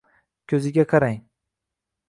Ko’ziga qarang!